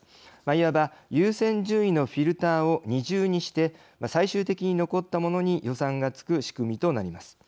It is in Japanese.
いわば、優先順位のフィルターを二重にして最終的に残ったものに予算がつく仕組みとなります。